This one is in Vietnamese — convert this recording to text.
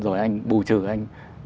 rồi anh bù trừ anh